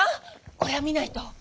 これは見ないと！